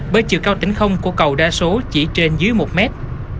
bởi chiều cao tỉnh không của cầu đa số chỉ trên dưới một mét